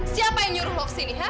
siapa yang nyuruh lo ke sini ha